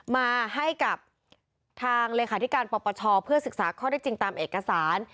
มาให้กับทางเลขาธิการปปชเพื่อศึกษาข้อได้จริงตามเอกสาร